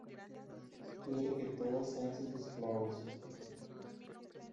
Quieren que todos sean sus esclavos.